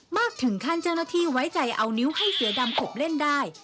มากถึงขั้นเจ้าหน้าที่ไว้ใจเอานิ้วให้เสือดำขบเล่นได้